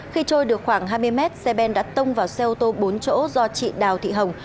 khi trôi được khoảng hai mươi mét xe ben đã tông vào xe ô tô bốn chỗ do chị đào thị hồng